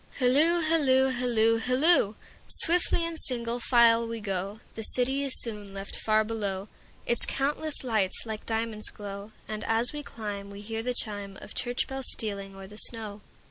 Hilloo, hilloo, hilloo, hilloo! Swiftly in single file we go, The city is soon left far below, Its countless lights like diamonds glow; And as we climb we hear the chimeOf church bells stealing o'er the snow.